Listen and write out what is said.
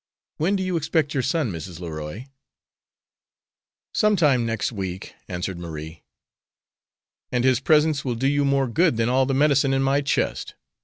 When do you expect your son, Mrs. Leroy?" "Some time next week," answered Marie. "And his presence will do you more good than all the medicine in my chest."